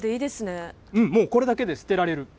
もうこれだけで捨てられる。